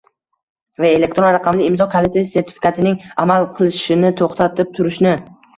va elektron raqamli imzo kaliti sertifikatining amal qilishini to‘xtatib turishni